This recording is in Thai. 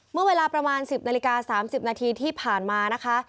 เมื่อเวลาประมาณ๑๐นาฬิกา๓๐นาทีที่ผ่านมานะคะ